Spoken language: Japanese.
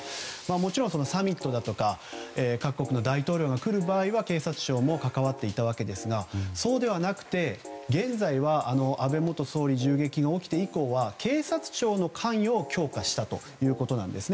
もちろんサミットだとか各国の大統領が来る場合は警察庁も関わっていましたがそうではなくて現在は安倍元総理銃撃が起きて以降は警察庁の関与を強化したということなんです。